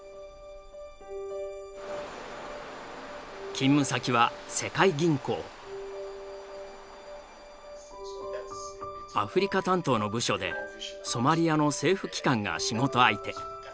勤務先はアフリカ担当の部署でソマリアの政府機関が仕事相手。